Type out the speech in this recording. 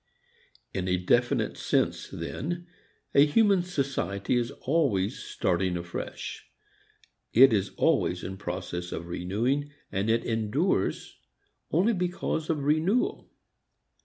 In a definite sense, then, a human society is always starting afresh. It is always in process of renewing, and it endures only because of renewal.